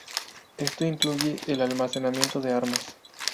Esto incluye el almacenamiento de armas.